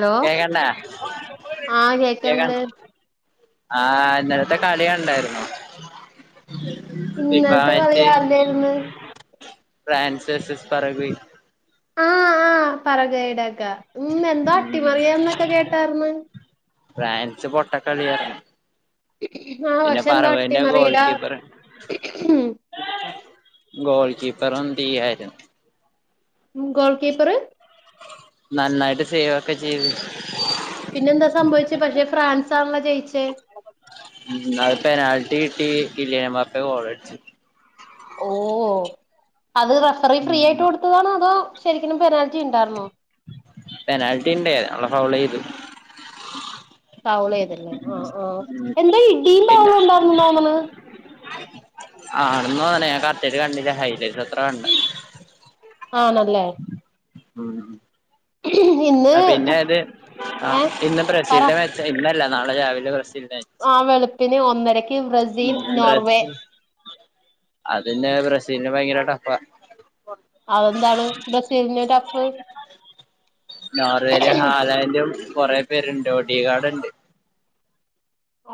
Hello ദേ കണ്ട ആഹ് ദേ കേക്കണ്ട് കണ്ട- ആഹ് ഇന്നലത്തെ കളി കണ്ടായിരുന്നോ? ഇന്നലത്തെ ആരുടേരിന്ന്? ഫ്രാൻസ്സസ് പറഗ്വായി. ആഹ് ആഹ് പറഗയടക്ക ഉം എന്തോ അട്ടിമറിയാന്നൊക്കെ കേട്ടർന്ന്. ഫ്രാൻസ് പൊട്ടക്കളിയാര്ന്ന്. ആഹ് പക്ഷേ ന്തോട്ടി ഗോൾ മറിയടേ കീപ്പർ ഉം ഗോൾ കീപ്പർ ഉന്തിയ്യായിരുന്നു. Goal keeper? നന്നായിട്ട് സേവൊക്കെ ചെയ്ത്. പിന്നെന്താ സംഭവിച്ചേ പക്ഷെ ഫ്രാൻസാണല്ലോ ജയിച്ചേ- ഉം അത് പെനാൽറ്റി കിട്ടി കിലിയൻ എംപാപ്പെ ഗോളടിച്ചു. ഓഹ് അത് റഫറി ഫ്രീ ആയിട്ട് കൊടുത്തതാണോ അതോ ശരിക്കും പെനാൽറ്റി ഉണ്ടായിരുന്നോ? പെനാൽറ്റി ഉണ്ടേ അവടെ ഫൗള് ചെയ്തു. ഫൗളെയ്തല്ലേ ഓഹ് ഓഹ് എന്താ ഇടി? പിന്നെ? പറഞ്ഞോന്ന്ണ് ആണന്ന് തോന്നണേ ഞാൻ കറക്റ്റായിട്ട് കണ്ടില്ല ഹൈലൈറ്റ് മാത്ര കണ്ടേ- ആണല്ലേ? ഉം. ഇന്ന് ആഹ് പിന്നെ അത് ആഹ് ഏഹ് ഇന്ന് പറ ബ്രസീലിന്റെ മേച്ച ഇന്നല്ല നാളെ രാവിലെ ബ്രസീലിന്റെ മേ ആഹ് വെളുപ്പിന് ഒന്നരക്ക് ബ്രസീൽ നോർവേ- അതിന്ന് ബ്രസീലിന് ഭയങ്കര ടഫാ- അതെന്താണ് ബ്രസീലിന് ടഫ്? നോർവേയില് ഹാലണ്ടും കൊറേ പേരുണ്ട് ഒടികാട്ണ്ട്.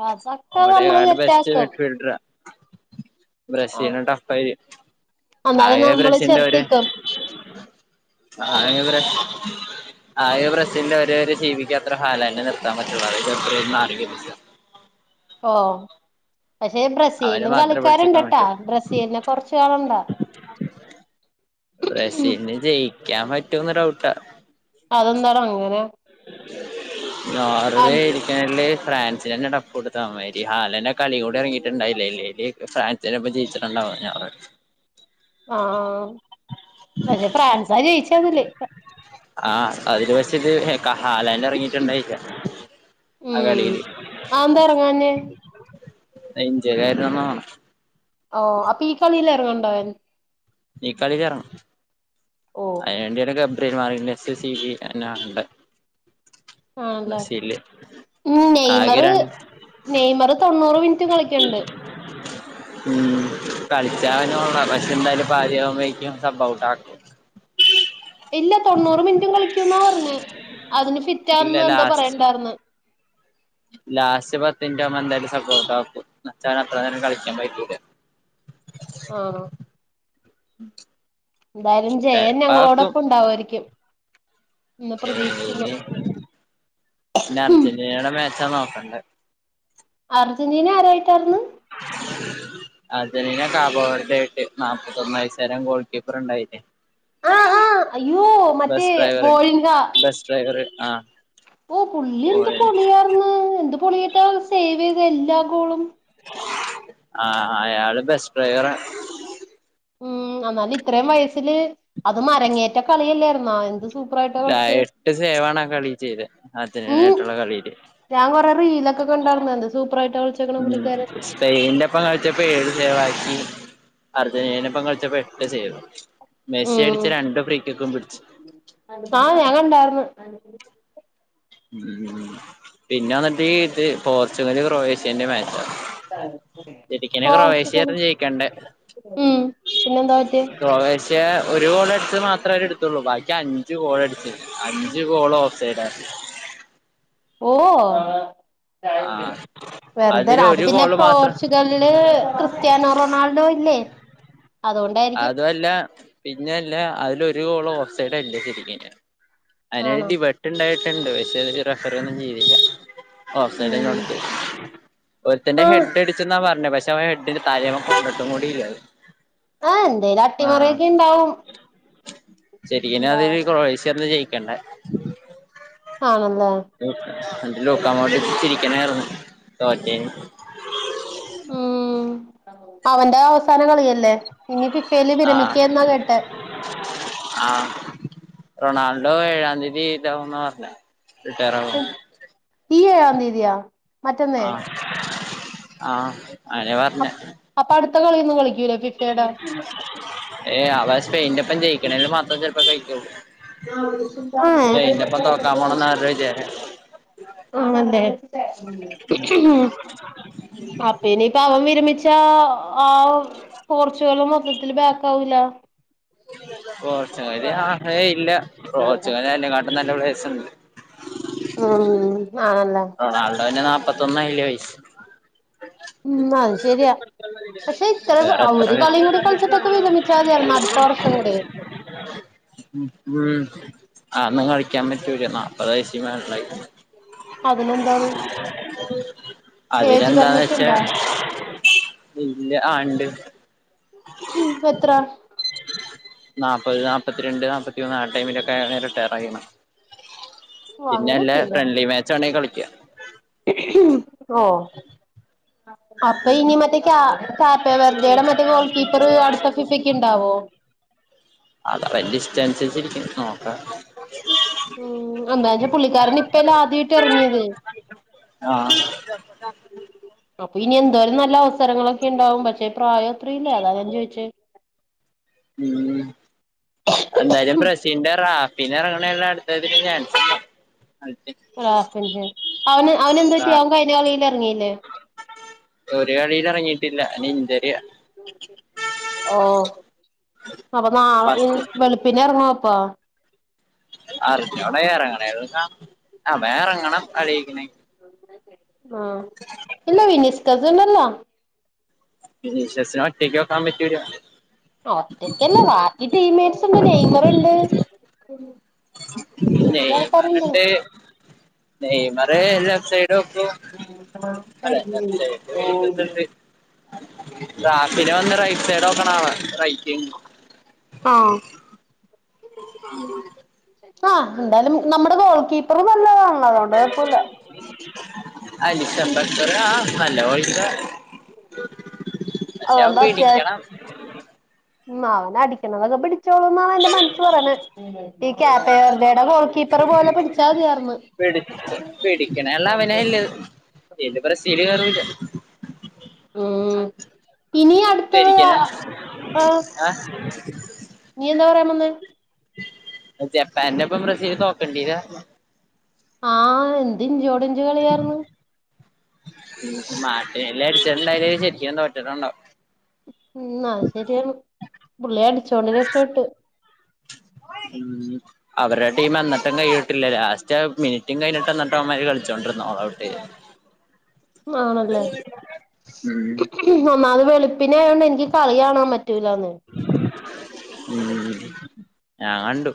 അതൊക്കെ നമ്മള് ഓഡികാർഡ് ബെസ്റ്റ് സെറ്റാക്കും. മിഡ്ഫീൽഡറാ ആ ബ്രസീലിന് ടഫായിരിക്കും എന്നാലും ആകെ നമ്മള് ബ്രസീലിന്റെ ഒര് ചെറുത്ത്ക്കും ആകെ ബ്ര ആകെ ഒരു ബ്രസ്സിലിന്റെ ഒരുര് ജീവിക്കക്ക് അത്ര ഹാലണ്ടിന്നെ നിർത്താൻ പറ്റുള്ളാണ് ഇത് എത്ര [inaudible] ഓഹ് പക്ഷെ അവനെ ബ്രസീലും മാത്രമേ പിടിച്ചെക്കാൻ കളിക്കാരുണ്ടട്ടാ പറ്റൂ ബ്രസീലിനെ കൊറച്ചു കാണണ്ടാ. ബ്രസീലിന് ജയിക്കാൻ പറ്റോന്ന് ഡൗട്ടാ അതെന്താടോ അങ്ങനെ? ആ നോർവേടി ഫ്രാൻസിനെന്നെ ടപ്പ് കൊടുത്താ മാതിരി ഹാലണ്ട് ആ കളി കൂടി ഇറങ്ങിട്ടുണ്ടായില്ല ഇല്ലേല് ഫ്രാൻ [unintelligible] സിന്റെപ്പം ജയിച്ചിട്ടുണ്ടാവും നോർ ആഹ് പക്ഷെ ഫ്രാൻസാ ജയിച്ചതില്. ആഹ് അതില് വെച്ചത് ഹാലണ്ട് ഇറങ്ങിട്ടുണ്ടായില്ല ആഹ് ഉം കളിയില്- അതെന്താ എറങ്ങാഞ്ഞെ ഇഞ്ചേക്കെര്ന്ന് തോന്നണേ- ഓഹ് അപ്പൊ ഈ കളിയിലറങ്ങണ്ടോ അവൻ? ഈ കളിയിൽ എറങ്ങും. ഓ അതിന് വേണ്ടി ഗബ്രി [unintelligible] ആണല്ലേ ബ്രസീല് ഉം നെയ്മറ് നെയ്മറ് തൊണ്ണൂറ് മിനിറ്റ് കളിക്കണ്ട്- [inaudible] ഉം കളിച്ചാ അവനു കൊള്ളാംപക്ഷേ എന്തായാലും പാതിയാവുമ്പേഴത്തേക്കുംസബ് ഔട്ട് ആക്കും. ഇല്ല തൊണ്ണൂറ് മിനിറ്റും കളിക്കും എന്നാ പറഞ്ഞേ. അതിന് ഇല്ല ഫിറ്റാന്ന് എന്താ ലാസ്റ്റ് പറയണ ഉണ്ടായിണ്ടായിരുന്നു. ലാസ്റ്റ് പത്ത് മിനിറ്റാവുമ്പോ എന്തായാലും സബ് ഔട്ടാക്കും മച്ചാന് അത്ര നേരം കളിക്കാൻ പറ്റൂല. ആണോ? [inaudible] എന്തായാലും ജയൻ ചെലപ്പാക്കും ഞങ്ങളോടൊപ്പം ഉണ്ടാവുവായിരിക്കും. ഏഹ് ഇനി ഇഞ്ഞർജന്റിനയുടെ മാച്ചാ നോക്കണ്ടേ. അർജന്റീന ആരായിട്ടായിരുന്നു? അർജൻ്റീന [unintelligible] നാപ്പത്തൊന്ന് വയസുകാരൻ ഗോൾ കീപ്പർ ഉണ്ടായില്ലേ? ആഹ് ആഹ് അയ്യോ മറ്റേ ബെസ് ഡ്രൈവർ വോൾഗ ബെസ് ഡ്രൈവർ ആഹ് ഓഹ് പുള്ളി എന്ത് ഓന് പൊളിയാർന്ന് എന്ത് പൊളിയായിട്ടാ സേവ് ചെയ്തേ എല്ലാ ഗോളും. ആഹ് അയാള് ബെസ് ഡ്രൈവറാ. ഉം എന്നാലും ഇത്രയും വയസ്സില് അതും അരങ്ങേറ്റ കളിയല്ലായിരുന്നോ? എന്ത് സൂപ്പറായിട്ടാ ആഹ് കളിച്ചെ എട്ട് സേവാണ് ആ കളി ചെയ്തെ. അർജന്റിനയും ഉം ആയിട്ടുള്ള കളീല്. ഞാൻ കുറെ റീലൊക്കെ കണ്ടായിരുന്നു എന്ത് സൂപ്പറായിട്ടാ കളിച്ചെ ഉം സ്പെയിനിന്റെപ്പം കളിച്ചപ്പം ഏഴ് സേവാക്കി. അർജന്റീനൻ്റെപ്പം കൾച്ചപ്പോ എട്ട് സേവ്. മെസ്സി ഉം അടിച്ച രണ്ടു ഫ്രീക്കിക്കും പിടിച്ചു. ആഹ് ഞാൻ കണ്ടായിരുന്ന്. ഉം പിന്നെ വന്നിട്ട് ഇത് പോർച്ചുഗൽ ക്രൊയേഷ്യന്റെ മാച്ചാ. ശരിക്കനെ ക്രൊയേഷ്യ പോർച്ചുഗൽ ആയിരുന്നു ജയിക്കണ്ടേ. ഉം പിന്നെ എന്താ പറ്റിയെ? പക്ഷേ ഒരു ഗോൾ അടിച്ചത് മാത്രേ അവര് ഇടുത്തൊള്ളൂ. ബാക്കി അഞ്ച് ഗോൾ അടിച്ച്. അഞ്ച് ഗോൾ ഓഫ്സൈഡാ. ഓഹ് ആഹ് അതില് വെറുതെയല്ല അത് ഒരു പിന്നെ ഗോള് മാത്രം പ്രോർച്ചു ഗൽല് ക്രിസ്ത്യാനോ റൊണാൾഡോ ഇല്ലേ? അതുകൊണ്ടായിരിക്കും അതു അല്ല പിന്നെ അല്ല അതിലൊരു ഗോള് ഓഫ്സൈഡല്ല ശരിക്ക്ന്. അതിലൊര് ആണോ ഡിബട്ട് ഉണ്ടായിട്ടുണ്ട്. പക്ഷെ അതില് റഫറി ഒന്നും ചെയ്തില്ല. ഓഫ് സൈഡും ഉം കൊടുത്ത്. ഒരുത്തന്റെ ആഹ് ഹെഡ് അടിച്ചന്നാ പറഞ്ഞത്. പഷെ ഇത്തവണ ഹെഡില് തല അവൻ കൊണ്ടിട്ടും കൂടിയില്ലത്. ആഹ് എന്തേലും അട്ടിമറിയൊക്കെ ഇണ്ടാവും. ശരിക്ക്നും അതില് ഉണ്ടാവല് ക്രൊയേഷ്യയാര്ന്നു ജയിക്കണ്ടേ. ആണല്ലേ? ഉം. എന്നിട്ട് ലൂക്കാ [unintelligible] ചിരിക്കണേര്ന്നു തോറ്റേന്. ഉം. അവന്റെ അവസാനം കളിയല്ലേ? ഇനി ഫിഫയില് ആഹ് വിരമിക്ക്യാ എന്നാ കേട്ടേ. ആഹ് റൊണാൾഡോ ഏഴാം തീയതി ഇതാവും ന്നാ പറഞ്ഞേ. റിട്ടേയറാ [unintelligible] ഈ ഏഴാം തീയതിയോ? മറ്റന്നെ? ആഹ് ആഹ് അങ്നയാ പർഞ്ഞേ. അപ്പൊ അടുത്ത കളിയൊന്നും കളിക്കൂലേ ഫിഫയുടെ? ഏയേ അതാ സ്പെയിന്റെ ഒപ്പം ജയിക്ണേല് മാത്രം ചെലപ്പോ കളിക്കുള്ളൂ. സ്പെയിൻൻ്റൊപ്പം തോക്കാൻ ഏഹ് പോണംന്നാ അവര്ടെ വിചാരം. ആണല്ലേ അപ്പ ഇനിപ്പം അവൻ വിരമിച്ചാ ആഹ് പോർച്ചുഗല് മൊത്തത്തില് ബാക്കാവൂല്ലൊ. പോർച്ചുഗല്ല് ആഹ്. ഏയ് ഇല്ല പോർച്ചുഗൽന് അയിനേ കാട്ടും നല്ല പ്ലേയേഴ്സ്ണ്ട്. [unintelligible] നാളല്ലേ നാളടെ കഴിഞ്ഞ നാപ്പത്തൊന്നായിലെ വെയ്സ്. ഉം അത് ശെരിയാ. പക്ഷെ ഇത്ര വേറെ അത് ഒരു എത്ര കളിയും കൂടി കളിച്ചിട്ടൊക്കെ വിരമിച്ചാതിയായിരുന്നു അടുത്ത വർഷം കൂടിയെ. [unintelligible] ഉം ഉം അഒന്നു കളിക്കാൻ പറ്റൂല്ല നാപ്പത് വയസ്സി മേള്ലായ്. അതിനെന്താണ് ഏജ് പെർമിറ്റ് അതിനെന്താന്നെച്ചാ ഇണ്ടാ ഇല്ല ആഹ് ഇണ്ട് ഉം ഇപ്പെത്ര? നാപ്പത് നാപത്തിരണ്ട് നാപത്തിയൂന്ന് ആ ടൈമിലൊക്കെ റിട്ടേഡയിണ്. ഓ പിന്നെ അല്ലെ അങ്ങനെയൊക്കെയില്ല ഫ്രണ്ട്ലി മാച്ച് വാണെങ്കി കളിക്ക. ഓഹ് അപ്പ ഇനി മറ്റെ കാ കാപ്പെവെർദെയുടെ മറ്റേ ഗോൾ കീപ്പർ അടുത്ത ഫിഫക്ക് ഇണ്ടാവോ? അതിലവലിസ്റ്റനുസരിച്ചിരിക്കും നോക്കാ. ഉം അന്തായാലും പുള്ളിക്കാരന് ഇപ്പല്ലെ ആദ്യായിട്ട് എറ്ങ്ങിയത്. ആഹ് ഇരുവത്തെട്ടാപ്പത്തൊന്ന് അപ്പൊ ഇനി എന്തോരം നല്ല അവസരങ്ങളൊക്കിണ്ടാവും. പക്ഷേ പ്രായത്രീല്ലേ അതാ ഞാൻ ചോയിച്ചെ. ഉം എന്തായാലും ബ്രസീന്റെ റാഫിഞറങ്ങണല്ലാ അടുത്തതിലു ചാൻസ്ണ്ട റാഫിഞ്ഞെ അവന് അവനെന്ത് റാ പറ്റി അവൻ കഴിഞ്ഞ കളീൽ എറ്ങ്ങീല്ലേ? ഒരു കളീലറങ്ങീട്ടില്ല അന് ഇൻജ്വറിയാ. ഓഹ് അപ്പൊ നാ ഇൻ ഫസ്റ്റ് വെളുപ്പിനറങ്ങോ അപ്പോ? അറിഞ്ഞൂടാ എറ്ങ്ങണേ ഒ ആഹ് വേ അറ്ങ്ങണം അടിക്കിനി ആഹ് ഇല്ല വിനിസ് കെസൻ ല്ല വിനീശ്വസിനെ ഒറ്റക്കോക്കാൻ പറ്റൂല. ഒറ്റക്കല്ല ബാക്കി ടീംമേറ്റ്സ്ണ്ട് നെയ്മറ്ണ്ട്. നെയ്മറ്ണ്ട്. നെയ്മറ് ലെഫ് സൈഡോക്കും അല്ല ലെഫ്റ സൈഡ് വിനീശ്യസ്ണ്ട്. രാഫിലൊ ഒന്ന് റൈറ്റ് സൈഡോക്ക്ണാളാ റൈറ്റിങ് ആഹ് ആഹ് എന്തായാലും നമ്മുടെ ഗോൾ കീപ്പർ നല്ലതാണല്ലോ അതോണ്ട് കൊഴപ്പുല്ല. അലിഷം ബക്കറ് ആഹ് നല്ല ഗോൾ കീപറാ. അതോണ്ട് അത്യാശ് പിടിക്കണം മ് അവനടിക്കണതൊക്കെ പിടിച്ചോളുന്നാണ് എന്റെ മനസ് പറയ്‌ന്നേ. ഈ ക്യാപ്പെവെർദേടെ ഗോൾ കീപ്പർ പോലെ പിടിച്ചാതിയായിർന്ന്. പിടിച്ച് പിടിക്കണള്ള അവനല്ല ഇല് ബ്രസീല് കേറൂല്ല. ഉഹ് ഇനി അടു ജനിക്കണെൻ ആഹ് ഇനി എന്താ പറയാൻ വന്നെ? ജപ്പാൻ്റൊപ്പം ബ്രസീൽ തോക്കേണ്ടിരാർന്നു. ആഹ് എന്തിഞ്ചോടിഞ്ച് കളിയായിർന്ന്. മാട്ടിനെല്ല് അടിച്ചിട്ട്ണ്ടായില്ലെങ്കിൽ ശരിക്കുനും തോറ്റിട്ടുണ്ടാ മ് അത് ശരിയാണ് പുള്ളി അടിച്ചോണ്ട് രക്ഷപേട്ട്. ഉം അവരുടെ ടീം. വന്നട്ടം കഴിട്ടില്ലേ ലാസ്റ്റ് മിനിറ്റും കഴിഞ്ഞിട്ട് എന്നിട്ടം അവമാര് കളിച്ചുകൊണ്ടിരുന്നു ഓൾ ഔട്ട് മാണല്ലേ? ഉം ഒന്നാമത് വെളുപ്പിനായോണ്ട് എനിക്ക് കളി കാണാ പറ്റൂലാന്ന്. ഉം ഞാ കണ്ടു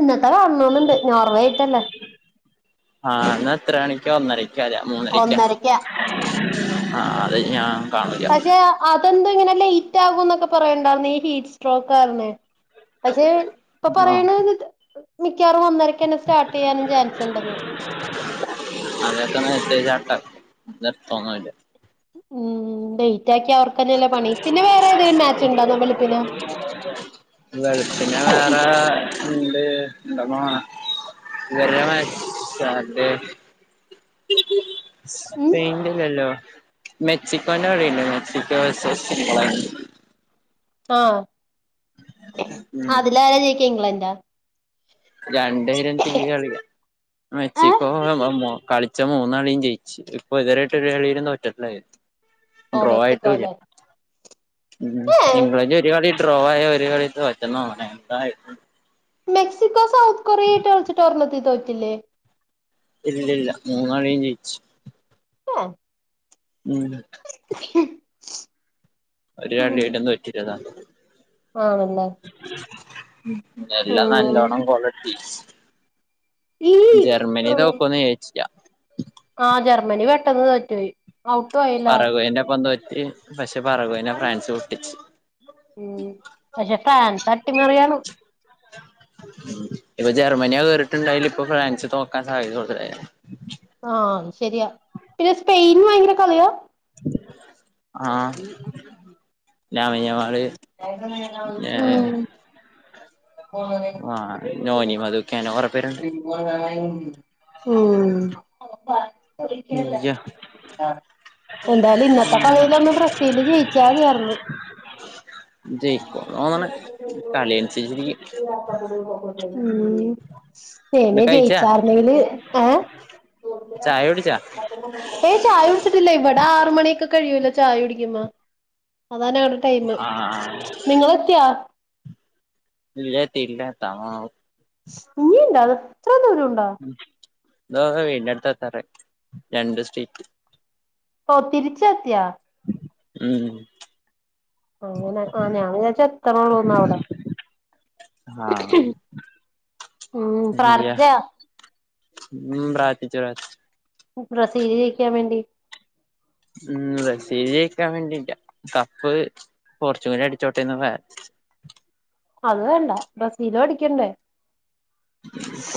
ഇന്നത്തെ കാണോന്ന്ണ്ട് ഞോർവേയിട്ടല്ലേ ആഹ് ഇന്ന് എത്രണിക്യാ ഒന്നരക്കാറിയ മൂന്നരക്ക്യാ ഒന്നരക്കാ ആ അതൊ [unintelligible] പഷെ അതെന്താ ഇങ്ങനെ ലയിറ്റാകും ന്നൊക്കെ പറയണ്ടായിരുന്നു ഈ ഹീറ്റ്സ്ട്രോക്ക് കാരണെ. പഷെ ഇപ്പ ആഹ് പറയ്ണ് മിക്കാറും ഒന്നരക്കന്നെ സ്റ്റാർട്ടയ്യാനും ചാൻസ്ണ്ടെന്ന്. അതൊക്കെന്ന എത്തയ് ചാട്ടം ല തോന്നുല്ല ഉം ഡേറ്റ് ആക്കിയാ അവർക്ക്ന്നെല്ലേ പണി. പിന്നെ വേറെ ഏതേലും മാച്ച് ഇണ്ടോ നവലപ്പിന് വെളുപ്പിന് വേറെ ഇണ്ട് ഉണ്ടോ തോന്നണേ ഇന്നലെ വാങ്ങിട്ടാണ്ടേ ഉം സ്പെയിന്റില്ലല്ലോ മെക്സിക്കോന്റെ കളിണ്ടേ മെക്സിക്കോ വാസസ് സിമ്പളെയിന് ആഹ് ഉം അതിലാരാ ജയിക്കാ ഇംഗ്ലൻഡാ രണ്ട്പേരും ടിവിടെ കളിയാ മെക്സിക്കോ കളിച്ച മൂന്നളിയും ജയിച്ച് ഇതിപ്പോ ഇപ്പൊ ഇതരായിട്ട് ഒരു കളി ലും തോറ്റട്ടുണ്ടയില്ല ഓ മെക്സിക്കോല്ലേ ഉം ഏഹ് ഇംഗ്ലന്റ് ഒരു കളി ഡ്രോ ആയ ഒരു കളി തോറ്റന്നാന്നൊണെ അതായ് മെക്സിക്കോ സൗത്ത് കൊറിയായിട്ട് കളിച്ചിട്ട് ഒരെണ്ണത്തി തോറ്റില്ലേ ഇല്ല്യ ഇല്ല മൂന്നാളിം ജയ്ച്ച് ഉവ്വോ ഉം ഉ [inaudible] ഒര് കളിടെ തോറ്റില്ലേന്നാ ആണല്ലേ എല്ലാം ഉം നല്ലോണ്ണം ക്വാളിറ്റിസ് ഈ ജർമ്മനിടെ ഒപ്പോന്ന് ജയിച്ചില്ല ആഹ് ജർമ്മനി പെട്ടെന്ന് തോറ്റൊയി പർകുന്റെപ്പം തോറ്റ് പക്ഷെ പറകുനെ ഫ്രാൻസ് പൊട്ടിച്ച് ഉം പഷെ ഫ്രാൻസ് അട്ടി മറിയാണ് ഉം ഇപ്പ ജർമ്മയോ കേറിട്ടുണ്ടായില്ല ഇപ്പൊ ഫ്രാൻസ് തോക്കാൻ സാദ്യത കൂടുതലാന് ആഹ് ശരിയാ പിന്നെ സ്പെയിൻ ഭയങ്കര കളിയാ ആഹ് ലാമിൻയമാള് ഉം ഏഹ് ആഹ് നോനിമദ്ഹ് കേനോ റബിയാണ് [unintelligible] അഹ് പഠിക്കൻല്ല ഇയ്യ ആഹ് എന്തായാലും ഇന്നത്തെ കളിയിലൊന്ന് ബ്രസീല് ജയിച്ചാൽതിയായിരുന്നു ജയിക്കോന്ന് തോന്ന്ണ് കളി അനുസരിച്ചിരിക്കും ഉം സ്‌പെയിന് എന്നിട്ട് കഴിച്ചാ ജയിച്ചാർന്നെങ്കില് ആഹ് ചായകുടിച്ചോ ഏയ് ചായ കുടിച്ചിട്ടില്ലെ ഇവിടെ ആറ് മണിയൊക്കെ കഴിയൂല്ലോ ചായ കുടിക്കുമ്പ അതാന ഞങ്ങടെ ടൈമ് ആ നിങ്ങളെത്തിയോ ഇല്ല്യ എത്തീട്ടില്യ എത്താൻ പോണു ഇഞ്ഞിണ്ടോ അത് ഇത്ര ദൂരം ഉണ്ടോ തോഹ് വീടിന്റെട്ത്ത് എത്താറായി രണ്ട് സ്ടീറ്റ് ഓ തിരിച്ചെത്തിയോ ഉം അങ്ങനെ ആഹ് ഞാൻ വിചാച്ച് എത്തണോള്ളൂന്ന് അവിടെ ആഹ് ഉം ഇയ്യ പ്രാർത്ഥിച്ചാ ഉം പ്രാർത്ഥിച്ചൂടാ ബ്രസീല് ജയിക്കാൻ വേണ്ടി ഉം ബസീൽ ജയ്ക്കാൻ വേണ്ടീട്ട കപ്പ് പോർച്ചുഗൽ അടിച്ചോട്ടേന്ന് പ്രാർത്ഥിച്ച് അത് വേണ്ട ബ്രസീലു അടിക്കണ്ടേ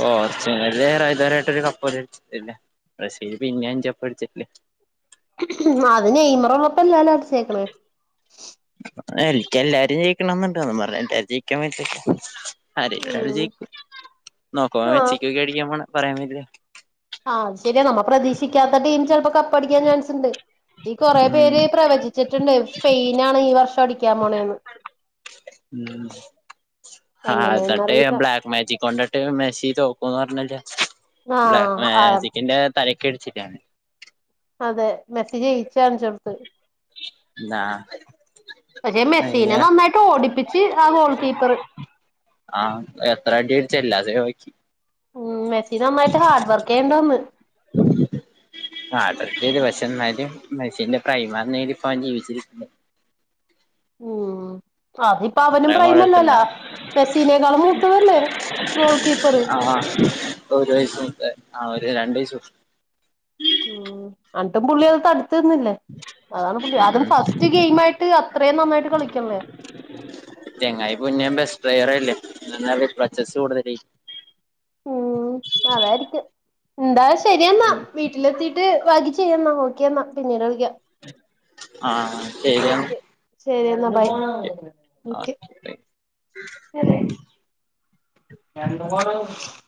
ഓഹ് ഏഴരയാകാറായി ഇതുവരെയായിട്ട് ഒരു കപ്പ് പോലും അടിച്ചിട്ടില്ല ബ്രിസില് പിന്നെം അഞ്ച് കപ്പടിച്ചിട്ടുണ്ട്. അത് നെയ്മറു ള്ളപ്പല്ലേ അടിച്ചേക്കണേ എനിക്ക് എല്ലാരും ജയിക്കണം എന്നുണ്ടോന്ന് എന്നും പറഞ്ഞ് എല്ലാരും ജയിക്കാൻ പറ്റോ അരെങ്കിലൊരാള് ഉം ജയിക്കും നോക്കുവ ആഹ് വെച്ചിക്കൊക്ക്യായിരിക്ക്യാം പോണ് പറയാൻ പറ്റല്ല. ആഹ് അത് ശര്യ നമ്മ പ്രതീക്ഷിക്ക്യാത്ത ടീം ചെൽപ്പ കപ്പടിക്ക്യാ ചാൻസ്ണ്ട്. ഈ കൊറെ ഉം പേര് പ്രവചിച്ചിട്ട്ണ്ട് സ്പെയിനാണ് ഈ വർഷം അടിക്ക്യാ പോണേന്ന് ആഹ് സട്ടേ ഞ എങ്ങനെന്നറിയില്ല ബ്ലാക്ക് മാജികൊണ്ടൺ. ട്ടെ മെസ്സി തോക്കൂന്ന് പർഞ്ഞല്ലെ ബ്ലാക്ക് ആഹ് ആഹ് മാജിക്കിന്റെ തലക്ക്യട്ച്ചിട്ട അതെ മെസ്സി ജയിച്ചാണ് ചെർത്ത്. ന്നാ. പക്ഷെ മെസ്സീനെ നന്നായിട്ട് ഓടിപ്പിച്ച് ആ ഗോൾ കീപ്പറ്. ആഹ് എത്ര അട്യട്ച്ചെല്ലാ സേവാക്കി. ഉം മെസ്സി നന്നായ്ട്ട് ഹാർഡ് വർക്കെയ്യണ്ടന്ന്. [unintelligible] ഹാർഡർക്കെയ്തു പക്ഷെ ന്നാലും മെസിന്റെ പ്രൈമർനേനി പവൻ ജീവിച്ചിരിക്കില്ല. ഉം അതിപ്പവനും അത്രയും ഗോളടിച്ചിട്ടുണ്ടാ പ്രൈമല്ലല്ലാ മെസീനേക്കാളും മൂത്തതല്ലേ. ഗോൾ കീപ്പറ് ആഹ് ഒരു വയ്സ് മുത ആ ഒരു രണ്ടയ്സ് മൂ ഉം അട്ടും പുള്ളി തടുത്ത്നിന്നില്ലേ. അതാണ് പുള്ളി അതും ഉം ഫസ്റ്റ് ഗെയിമായിട്ട് അത്രേ നന്നായിട്ട് കളിക്ക്യൺ ലേ. ചെങ്ങായി പുന്നേം ബെസ് പ്ളേയറല്ലേ എന്ന റിപ്ലച്ചസ്സ് കൂടുതലെ. ഉം അതായിരിക്ക്യും ന്താ ശരിയെന്നാ വീട്ടിലെത്തി ട്ട് ബാക്കി ചെയ്യന്നാ ഓക്കെന്നാ പിന്നീട് വിളിക്ക്യ. ആഹ് ശര്യണ്. ശര്യന്നാ ബൈ ഓക്കെ. രണ്ടു. [unintelligible]